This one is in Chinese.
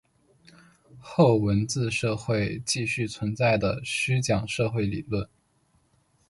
后文字社会继续存在的虚讲社会理论。